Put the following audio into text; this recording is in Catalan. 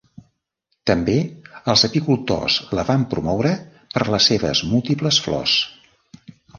També, els apicultors la van promoure, per les seves múltiples flors.